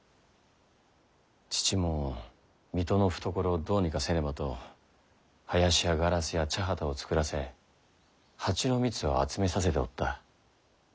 父も水戸の懐をどうにかせねばと林やガラスや茶畑を作らせ蜂の蜜を集めさせておった。